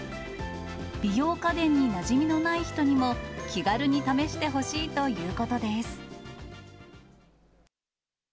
美容家電になじみのない人にも、気軽に試してほしいということです。